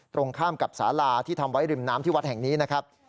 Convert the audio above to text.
ตรงข้ามกับสาลาที่ทำไว้ริมน้ำที่วัดแห่งนี้นะครับ